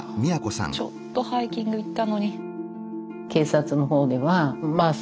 ちょっとハイキング行ったのに。